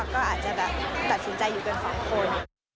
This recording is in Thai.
ก็อาจจะแบบตัดสินใจอยู่กันสองคน